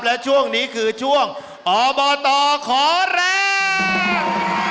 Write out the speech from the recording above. และช่วงนี้คือช่วงอบตขอแรง